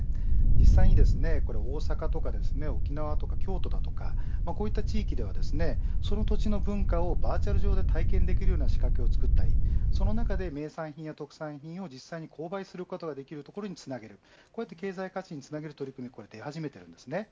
実際に大阪とか沖縄とか京都だとかこういった地域ではその土地の文化をバーチャル上で体験できるような仕掛けを作ったりその中で名産品や特産品を購買することができるところにつなげるこういった経済価値につなげる取り組みが出始めています。